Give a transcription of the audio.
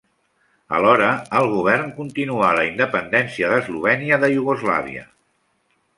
Alhora, el govern continuà la independència d'Eslovènia de Iugoslàvia.